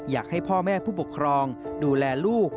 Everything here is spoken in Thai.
อยากให้พ่อแม่ผู้ปกครองดูแลลูก